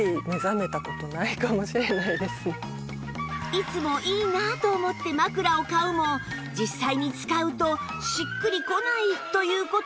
いつもいいなと思って枕を買うも実際に使うとしっくりこないという事で